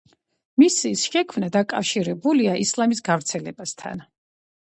მისი შექმნა დაკავშირებულია ისლამის გავრცელებასთან.